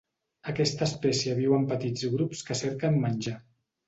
Aquesta espècie viu en petits grups que cerquen menjar.